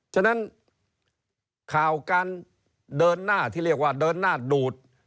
ฉะนั้นข่าวการเดินหน้าที่เรียกว่าเดินหน้าดูด